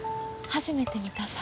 初めて見たさ。